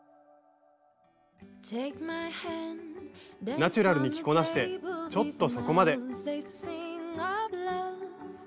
ナチュラルに着こなしてちょっとそこまで。